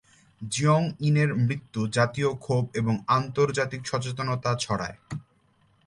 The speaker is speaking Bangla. জিওং-ইনের মৃত্যু জাতীয় ক্ষোভ এবং আন্তর্জাতিক সচেতনতা ছড়ায়।